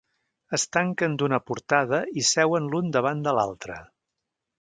Es tanquen d'una portada i seuen l'un davant de l'altra.